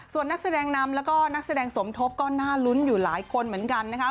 ส่วนนักแสดงนำแล้วก็นักแสดงสมทบก็น่าลุ้นอยู่หลายคนเหมือนกันนะคะ